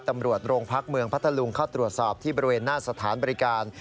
ตำรวจโรงพักเมืองพัทธลุงเข้าตรวจสอบที่บริเวณหน้าสถานบริการ